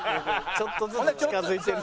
ちょっとずつ近づいてる。